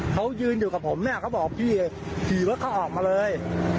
เขายืนอยู่กับผมเนี่ยเขาบอกพี่ขี่รถเขาออกมาเลย